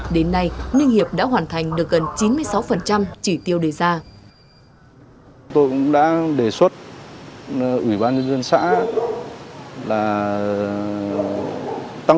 đến nay ninh hiệp đã hoàn thành được gần chín mươi sáu chỉ tiêu đề ra